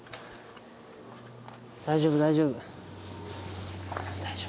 大丈夫大丈夫。